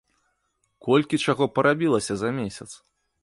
Колькі чаго парабілася за месяц!